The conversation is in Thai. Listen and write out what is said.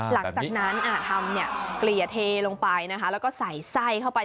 หลังจากนั้นทำเนี่ยเกลี่ยเทลงไปนะคะแล้วก็ใส่ไส้เข้าไป